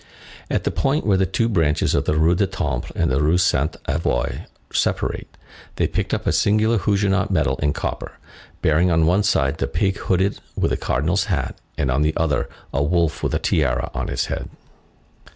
At the point where the two branches of the Rue du Temple and of the Rue Sainte Avoye separate, they picked up a singular Huguenot medal in copper, bearing on one side the pig hooded with a cardinal's hat, and on the other, a wolf with a tiara on his head.